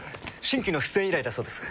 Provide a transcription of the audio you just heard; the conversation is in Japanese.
新規の出演依頼だそうです。